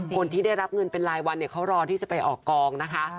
คนที่ได้รับเงินเป็นรายวันเนี่ยเขารอที่จะไปออกกองนะคะ